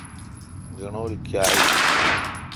گنڈول کاں این